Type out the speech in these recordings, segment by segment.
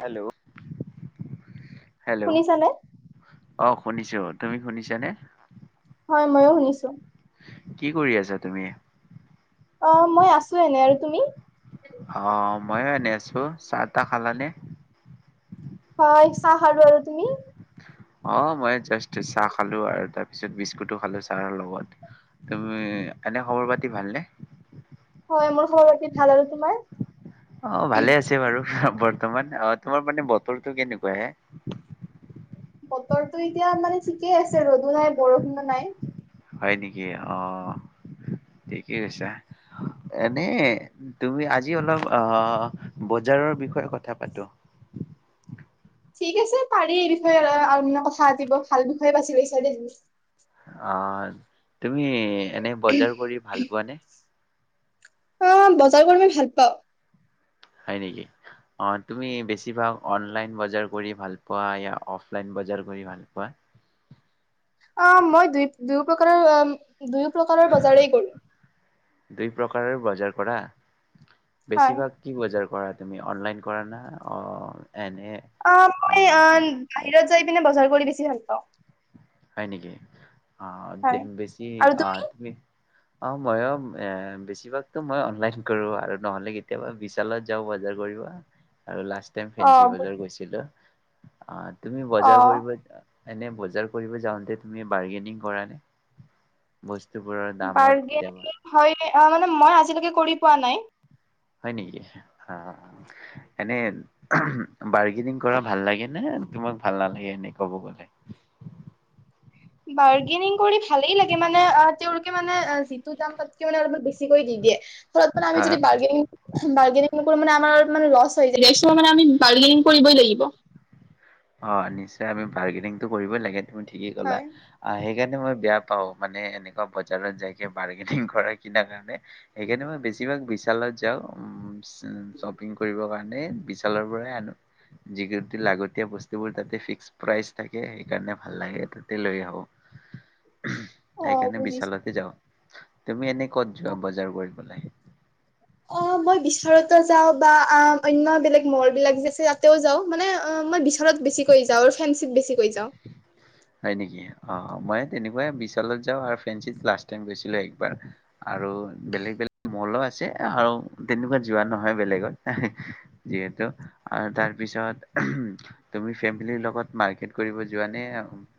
Hello. Hello শুনিছানে? অ। শুনিছো তুমি শুনিছ নে? হয় মইো শুনিছো। কি কৰি আছা তুমি? অ মই আছো এনে আৰু তুমি? অ ময়ো এনে আছো, চাহ তাহ খালানে? হয় চা খালোঁ আৰু তুমি? অ মই। জাষ্ট চাহ খালো আৰু তাৰ। তাৰপিছত বিস্কুটো খালো ছাৰৰ লগত, তুমি এনে খবৰ পাতি ভালনে? হয় মোৰ খবৰ বতি ভাল আৰু তোমাৰ? অ ভালে আছে বাৰু। বৰ্তমান, অ তোমাৰ মানে বতৰটো কেনেকুৱা সেয়াত? বতৰটো এতিয়া মানে ঠিকেই আছে ৰ'দো নাই বৰষুণো নাই। হয় নেকি, অ ঠিকেই কছা এনে তুমি আজি অলপ আহ বজাৰৰ বিষয়ে কথা পাতো। ঠিক আছে পাৰি এই বিষয়ে কথা পাতিব ভাল বিষয়ে বেছি লৈছা দেই তুমি। অঁ। তুমি এনে বজাৰ কৰি ভাল পোৱানে? অ বজাৰ কৰিব ভাল পাওঁ। হয় নেকি? তুমি বেছি ভাগ অনলাইন বজাৰ কৰি ভাল পোৱা এয়া অফলাইন বজাৰ কৰি ভাল পোৱা? অ মই দুই দুই প্ৰকাৰৰ উম। দুয়ো প্ৰকাৰৰ বজাৰেই কৰোঁ। দুই প্ৰকাৰৰ বজাৰ কৰা। হয়। বেছিভাগ কি বজাৰ কৰা। তুমি অনলাইন কৰা না অঁ। অ মই অ বাহিৰত যাই পিনে বজাৰ কৰি বেছি ভাল পাওঁ হয় নেকি অ হয়। বেছি অ তুমি অ ম‌ইয়ো এ বেছিভাগতো মই অনলাইন কৰোঁ আৰু নহ'লে কেতিয়াবা বিশালত যাওঁ বজাৰ কৰিব আৰু লাষ্ট টাইম ফেঞ্চি অ' বজাৰ গৈছিলো অ তুমি বজাৰ অ'। কৰিব যোৱা এনে বজাৰ কৰিব যাওঁতে তুমি বাৰ্গেনিং কৰা নে বস্তুবোৰৰ দামত কেতিয়াবা বাৰ্গেনিং হয় অ মানে মই আজিলৈকে কৰি পোৱা নাই হয় নেকি অ এনে উমহ বাৰ্গেনিং কৰা ভাল লাগে নে তোমাক ভাল নালাগে এনে ক'ব গ'লে বাৰ্গেনিং কৰি ভালেই লাগে মানে অ তেওঁলোকে মানে যিটো দাম তাতকে মানে অলপ বেছি কৰি দি দিয়ে ফলত মানে অ আমি যদি বাৰ্গেনিং বাৰ্গেনিং মানে আমাৰ মানে লছ হৈ যায় সেইচোৱা মানে আমি বাৰ্গেনিং কৰিবই লাগিব অ নিশ্চয় আমি বাৰ্গেনিঙটো কৰিবই লাগে তুমি ঠিকেই কলা হয়, আহ হেই সেইকাৰণে মই বেয়া পাওঁ মানে এনেকুৱা বজাৰত যাইকে বাৰ্গেনিং কৰাৰ কিনা কাৰণে সেইকাৰণে মই বেছিভাগ বিশালত যাওঁ উম উম শ্বপিং কৰিব কাৰণে মানে বিশালৰ পৰাই আনো যিকি লাগতিয়াল বস্তু বস্তু বোৰ তাতে ফিক্স প্ৰাইচ থাকে সেইকাৰণে ভাল লাগে তাতে লৈ আহো উমহ অ' সেইকাৰণে বুজিছো। বিশালতে যাওঁ তুমি এনে ক'ত যোৱা বজাৰ কৰিবলে অ মই বিশাৰতো যাওঁ বা আ অন্য বেলেগ মল বিলাক যে আছে এইয়াতেও যাওঁ মানে মই বিশালত বেছিকৈ যাওঁ আৰু ফেঞ্চিত বেছিকৈ যাওঁ হয় নেকি অ অ মই তেনেকুৱাই বিশালত যাওঁ আৰু ফেঞ্চিত লাষ্ট টাইম গৈছিলো একবাৰ আৰু বেলেগ বেলেগ মল আছে আৰু তেনেকুৱা যোৱা নহয় বেলেগত এহে যিহেতু আৰু তাৰপিছত উমহ তুমি ফেমিলিৰ লগত মাৰ্কেট কৰিব যোৱা নে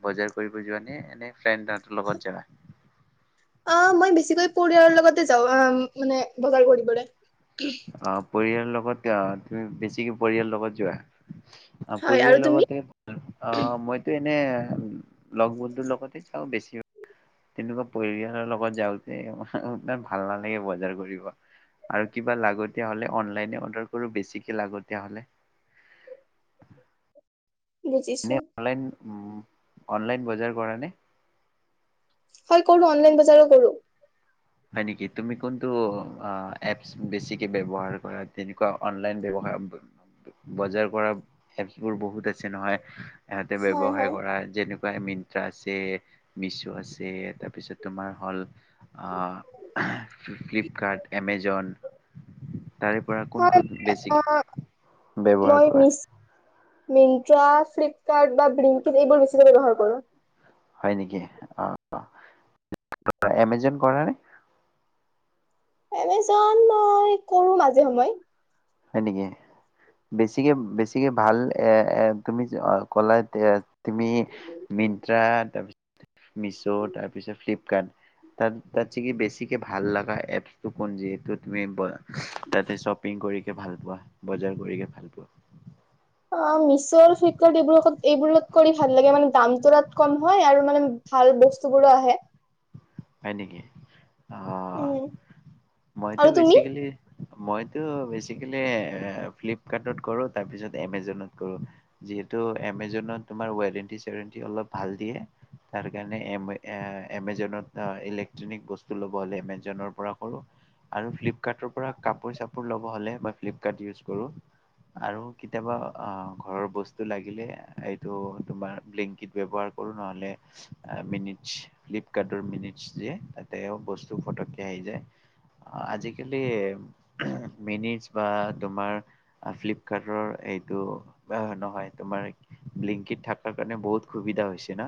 বজাৰ কৰিব যোৱা নে এনেই ফ্ৰেণ্ডৰ লগত যাবা অ মই বেছিকৈ পৰিয়ালৰ লগতে যাওঁ অ মানে বজাৰ কৰিবলে অ পৰিয়াল লগত তুমি বেছিকে পৰিয়ালৰ লগত যোৱা অ হয় আৰু পৰিয়াল তুমি? লগতে অ মইতো এ মানে লগ বন্ধুৰ লগতে যাওঁ বেছি তেনেকুৱা পৰিয়ালৰ লগত যাওঁতে ইমান ভাল নালাগে বজাৰ কৰিব আৰু কিবা লাগতিয়া হ'লে অনলাইনে অৰ্ডাৰ কৰোঁ বেছিকে লাগতিয়া হ'লে বুজিছো নে অনলাইন উম অনলাইন বজাৰ কৰা নে হয় কৰোঁ অনলাইন বজাৰো কৰোঁ হয় নেকি তুমি কোনটো অ এপছ বেছিকে ব্যৱহাৰ কৰা তেনেকোৱা অনলাইন ব্যৱহাৰ বজাৰ কৰা এপছ বোৰ বহুত আছে নহয়। সিহঁতে হয় ব্যৱসায় হয়। কৰা যেনেকোৱা বাই মিনন্ত্ৰা আছে মেছো আছে তাৰপিছত তোমাৰ হ'ল অ ফ্লিপকাৰ্ট এমেজন তাৰে পৰা কোন হয় কোন অ' বেছিকে ব্যৱহাৰ কৰা। মিনট্ৰা ফ্লিপকাৰ্ট বা ব্ৰিংকিন এইবোৰ বেছিকে ব্যৱহাৰ কৰোঁ হয় নেকি অ অ এমেজন কৰা নে এমেজন মই কৰো মাজে সময়ে হয় নেকি বেছিকে বেছিকে ভাল এ এ তুমি কলা তুমি মিনট্ৰা তাৰপিছ মিছো তাৰপিছত ফ্লিপকাৰ্ট তাত কি বেছিকে ভাল লগা এপছ কোন যি তুমি বজা তাতে শ্বপিং কৰি ভাল পোৱা বজাৰ কৰি ভাল পোৱা অ মিছ' ফ্লিপকাৰ্ট এইবোৰ এইবোৰ কৰি ভাল লাগে মানে দামটো ই কম হয় আৰু মানে ভাল বস্তুবোৰো আহে হয় নেকি অ উম। মইতো আৰু তুমি বেছিকেলি মইতো বেছিকেলি ফ্লিপকাৰ্টত কৰোঁ তাৰপিছত এমেজনত কৰোঁ যিহেতু এমেজনত তোমাৰ ৱাৰেণ্টি চেৰেণ্টি অলপ ভাল দিয়ে তাৰ কাৰণে এমেজনত ইলেকট্ৰনিক লব হলে এমেজনৰ পৰা কৰো আৰু ফ্লিপকাৰ্টৰ পৰা কাপোৰ চাপোৰ লব হলে বা ফ্লিপকাৰ্ট ইউজ কৰোঁ আৰু কেতিয়াবা ঘৰৰ বস্তু লাগিলে এইটো তোমাৰ ব্লিংকিত ব্যৱহাৰ কৰো নহলে মিনিটছ ফ্লিপকাৰ্ট মিনিটছ দিয়ে তাতে বস্তু ফটকে আহি যায় অহ আজিকালি মিনিট বা তোমাৰ ফ্লিপকাৰ্টৰ এইটো অহ নহয় তোমাৰ ব্লিনকিত থকাৰ কাৰণে বহুত সুবিধা হৈছে না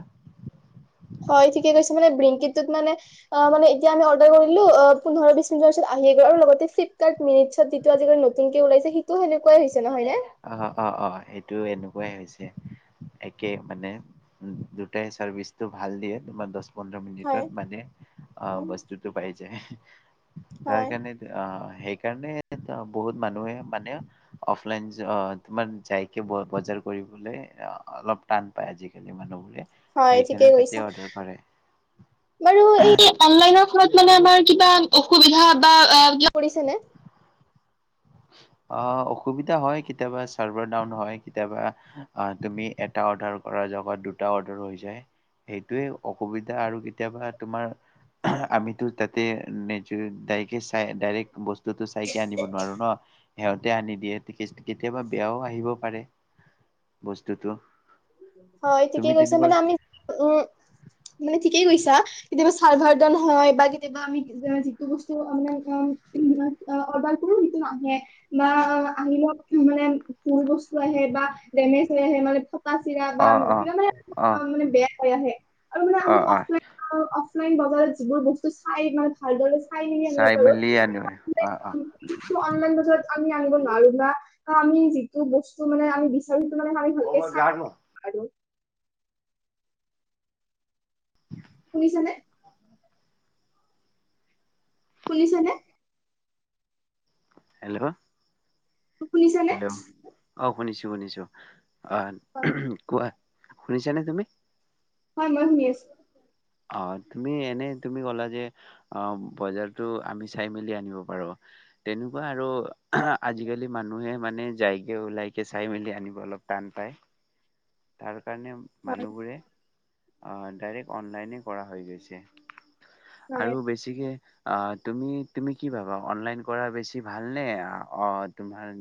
হয় ঠিকে কৈছে মানে ব্লিনকীতটোত মানে অ মানে এতিয়া আমি অৰ্ডাৰ কৰিলো অ পোন্ধৰ বিছ মিনিটৰ পিছত আহিয়ে গল আৰু লগতে ফ্লিপকাৰ্ট মিনটছ যিটো আজি কালি নতুনকে ওলাইছে সেইটো সেনেকুৱাই হৈছে নহয় নে অ অ অ সেইটো এনেকোৱাই হৈছে একে মানে দুটাই চাৰ্ভিচটো ভাল দিয়ে তোমাৰ দছ পোন্ধৰ হয় মিনিটত মানে অ উম বস্তুতোটো পাই যায় হয়। তাৰকাৰণে আ সেইকাৰণে বহুত মানুহে মানে অফলাইন অ তোমাৰ যাইকে বজাৰ কৰিবলৈ অলপ টান পাই আজিকালি মানুহবোৰ হয় ঠিকে কৈছা বাৰু এই অনলাইন ত তাত মানে আমাৰ কিবা অসুবিধা বা কিবা পৰিছে নে অ অসুবিধা হয় কেতিয়াবা ছাৰ্ভাৰ ডাউন হয় কেতিয়াবা তুমি এটা অৰ্ডাৰ কৰাৰ জেগাত দুটা অৰ্ডাৰ হৈ যায় সেইটোৱে অসুবিধা আৰু কেতিয়াবা তোমাৰ আমিতো তাতে নেচাৰ টাইপ তাকেই চাই ডাইৰেক্ট বস্তুটো চাই কিয় আনিব নোৱাৰোঁ ন সিহঁতে আনি দিয়ে কেতিয়াবা বেয়াও আহিব পাৰে বস্তুটো হয় ঠিকে তুমি কৈছে তেনেকুৱা মানে আমি উম মানে ঠিকেই কৈছা কেতিয়াবা চাৰভাৰ ডাউণ্ড হয় বা কেতিয়াবা আমি যিটো বস্তু মানে অ অৰ্ডাৰ কৰো সেইটো নাহে না আহিলেও মানে ফুল বস্তু আহে বা ডেমেজ হৈ আহে মানে চিৰা অ বা অ চিৰা মানে অ মানে বেয়া হৈ আহে আৰু মানে অ আমি অ অফলাইন হও মেইন বজাৰত যিবোৰ বস্তু চাই মানে ভালদৰে চাই কিনে আনিব পাৰো মেলি আনো অ অ [unintelligible] অনলাইন বজাৰত আমি আনিব নোৱাৰো না আমি যিটো বস্তু মানে আমি বে সেইটো মানে আমি ভালকে চাই আৰু শুনিছানে শুনিছানে হেল্ল' তো শুনিছানে হেল্ল' অ শুনিছো শুনিছো অ হয় কোৱা শুনিছা নে তুমি হয় মই শুনি আছো অ তুমি এনে তুমি কলা যে অ বজাৰতটো আমি চাই মেলি আনিব পাৰো তেনেকুৱা আৰু আজিকালি মানুহে মানে যাইকে ওলাইকে চাই মেলি আনিব অলপ টান পাই তাৰ কাৰণে মানুহবোৰে আহ ডাইৰেক্ট অনলাইনে কৰা হৈ গৈছে হয় হয় আৰু বেছিকে অ তুমি তুমি কি ভাবা অনলাইন কৰা বেছি ভালনে অ তোমাৰ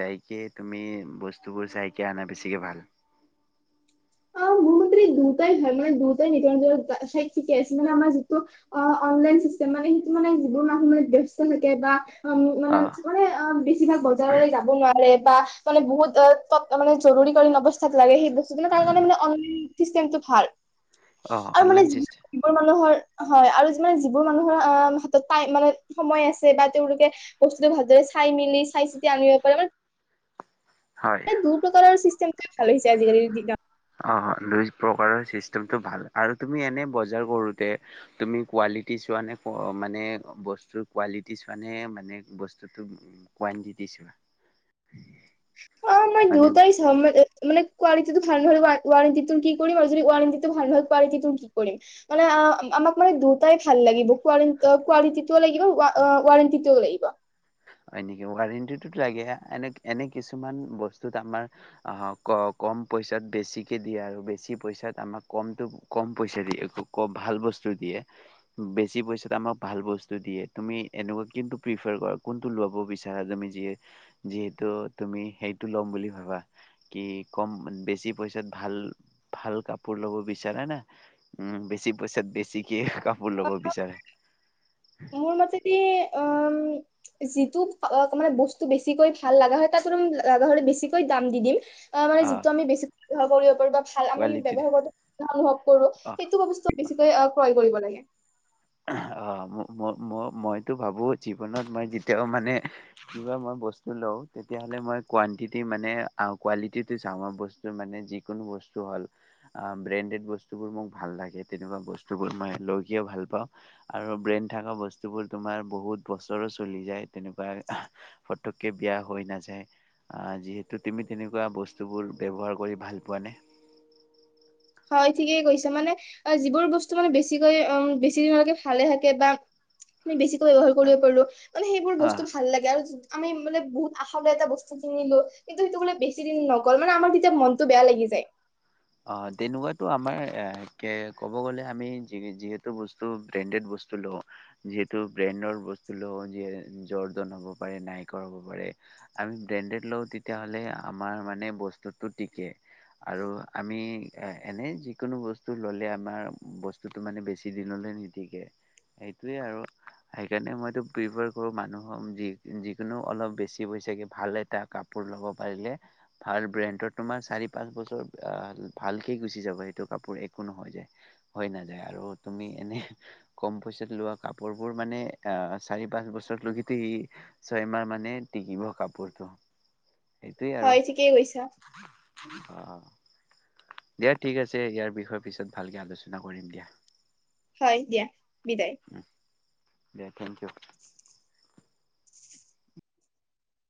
যাইকে তুমি বস্তুবোৰ চাইকে আনা বেছিকে ভাল অ মোৰ মতে দি দুটাই ভাল মানে দুটাই নি ব অ চাইত থিকে আছে মানে আমাৰ যিটো অ অনলাইন চিষ্টেম মানে সেইটো মানে যিবোৰ মানুহ ব্যস্ত থাকে বা [unintelligible] অ মানে মানে অ বেছিভাগ বজাৰলৈ যাব নোৱাৰে বা মানে বহুত অত তত জৰুৰী কালীন অৱস্থাত লাগে সেই বস্তুবিলাক কাৰণে মানে অনলাইন চিষ্টেমটো ভাল অ আৰু মানে অনলাইন যি চিষ্টেম যিবোৰ মানুহৰ হয় আৰু মানে যিবোৰ মানুহৰ আহ হাতত টাইম মানে সময় আছে বা তেওঁলোকে বস্তুতটো ভালৰে চাই মেলি চাই চিতি আনিব পাৰে মানে হয় দু প্ৰকাৰৰ চিষ্ট অ দুই প্ৰকাৰৰ চিষ্ট টো ভাল আৰু তুমি এনে বজাৰ কৰোতে তুমি কোৱালিটি চোৱা নে মানে বস্তুৰ কোৱালিটি চোৱা নে মানে বস্তুটো কোৱানটিটি চোৱা অ মই মানে দুয়োটাই চাও মানে কোৱালিটিটো ভাল নহলে ৱাৰণ্টি তোৰ কি কৰিম আৰু যদি ওৱাৰেণ্টিটো ভাল নহলে কোৱালিটি ত কি কৰিম মান আমাক মানে দুটাই ভাল লাগিব কোৱালিট টোও লাগিব ৱাৰণ্টি ও লাগিব হয় নেকি ৱাৰেণ্টিটোত লাগে এনে কিছুমান বস্তুত আমাৰ কম পইচাত বেছিকে দিয়ে আৰু বেছি পইচাত আমাক কমটো কম পইচা দিয়ে ভাল বস্তু দিয়ে বেছি পইচাত আমাক ভাল বস্তু দিয়ে তুমি এনেকুৱা কোনটো প্ৰিফাৰ কৰা কোনটো লব বিচাৰা তুমি যিয়ে যিহেতু তুমি সেইটো ল'ম বুলি ভাবা কি কম বেছি পইচাত ভাল ভাল কাপোৰ ল'ব বিচাৰা নে উম বেছি পইচা দি বেছিকে কাপোৰ অ ল'ব বিচাৰে মোৰ মতেদি অ যিটো অ অ মানে বস্তু বেছিকৈ ভাল লাগা হয় তাকো লগা হ'লে বেছিকৈ দাম দি দিম অ মানে যিটো আমি বেছি হ কৰিব পাৰিবা ভাল আমি কোৱালিটিৰ ব্যৱহাৰ কৰো, অনুভৱ কৰো, অ সেইটো বস্তু বেছিকৈ অ ক্ৰয় কৰিব লাগে। অ ম ম ম মইতো ভাবো জীৱনত মই যেতিয়াও মানে কিবা মই বস্তু লওঁ তেতিয়াহলে মই কোৱানটিটি মানে কোৱালিটিটো চাওঁ মই বস্তু মানে যিকোনো বস্তু হ'ল ব্ৰেণ্ডেড বস্তুবোৰ মোক ভাল লাগে তেনেকুৱা বস্তুবোৰ মই লৈ কিয় ভাল পাওঁ আৰু ব্ৰেণ্ড থকা বস্তুবোৰ তোমাৰ বহুত বছৰো চলি যায় তেনেকুৱা ফটককৈ বিয়া হৈ নাযায়, যিহেতু তুমি তেনেকুৱা বস্তুবোৰ ব্যৱহাৰ কৰি ভাল পোৱা নে? হয় ঠিকেই কৈচে মানে যিবোৰ বস্তু মানে বেছিকৈ বেছি দিনলৈকে ভালে থাকে বা আমি বেছিকৈ ব্যৱহাৰ কৰিব পাৰো মানে সেইবোৰ আহ বস্তু ভাল লাগে আৰু আমি মানে বহুত আশা লৈ এটা বস্তু কিনিলো কিন্তু সেইটো বোলে বেছি দিন নগ'ল মানে আমাৰ তেতিয়া মনটো বেয়া লাগি যায়। অ তেনেকুৱো আমাৰ ক'ব গলে আমি যি যিহেতু বস্তু ব্ৰেণ্ডেড বস্তু লওঁ, যিহেতু ব্ৰেণ্ডৰ বস্তু লওঁ য জৰ্ডন হ'ব পাৰে, নাইকৰ হ'ব পাৰে আমি ব্ৰেণ্ডেড লওঁ তেতিয়াহলে আমাৰ মানে বস্তুটো টিকে আৰু আমি এনেই যিকোনো বস্তু ললে আমাৰ বস্তুটো মানে বেছি দিনলৈ নিটিকে, সেইটোৱেই আৰু সেইকাৰণে মইতো প্ৰিফাৰ কৰোঁ মানুহক যি যিকোনো অলপ বেছি পইচাকৈ ভাল এটা কাপোৰ ল'ব পাৰিলে ভাল ব্ৰেণ্ডত তোমাৰ চাৰি পাঁচ বছৰ আহ ভালকে গুচি যাব সেইটো কাপোৰ একো নহয় যায় হৈ নাযায় আৰু তুমি এনে কম পইচাত লোৱা কাপোৰ বোৰ মানে, আহ চাৰি পাঁচ বছৰলৈ ই ছয়মাহ মানে টিকিব। কাপোৰটো, হয় সেইটোৱেই ঠিকেই কৈছা আৰু অ। দিয়া ঠিক আছে ইয়াৰ বিষয়ে পিছত ভালকে আলোচনা কৰিম দিয়া। হয় দিয়া, বিদায়। দিয়া, থেংক ইউ।